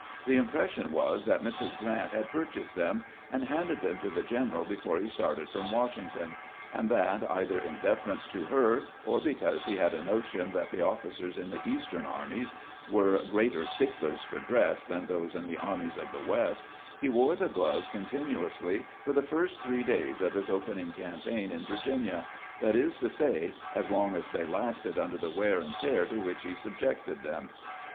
The impression was that Mrs. Grrant had purchased them, and handed them to the general before he started from Washington, and that, either in deference to her, or because he had a notion that the oflSeers in the Eastern armies were greater sticklers for dress than those in the armies of the West, he wore the gloves cohtinuously for the first three days of his opening campaign in Vir ginia; that is to say, as long as they lasted under the wear and tear to which he subjected them.